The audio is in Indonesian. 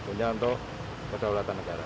untuk kedaulatan negara